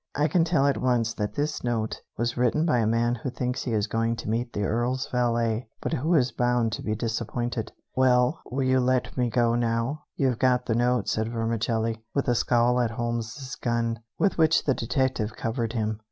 "I can tell at once that this note was written by a man who thinks he is going to meet the Earl's valet, but who is bound to be disappointed." "Well, will you let me go now? You've got the note," said Vermicelli, with a scowl at Holmes's gun, with which the detective still covered him.